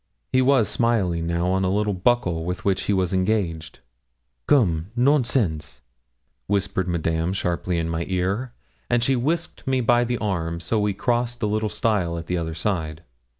He was smiling now on a little buckle with which he was engaged. 'Come nonsense!' whispered Madame sharply in my ear, and she whisked me by the arm, so we crossed the little stile at the other side.